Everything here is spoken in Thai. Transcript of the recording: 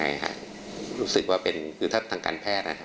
รู้สึกว่าเป็นคือถ้าต่างการแพทย์